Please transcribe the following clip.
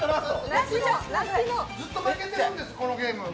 ずっと負けてるんです、このゲーム。